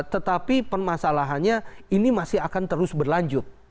tetapi permasalahannya ini masih akan terus berlanjut